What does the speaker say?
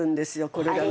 これがね。